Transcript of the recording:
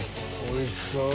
おいしそう。